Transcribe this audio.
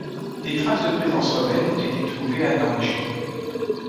Des traces de présence romaine ont été trouvées à Nangy.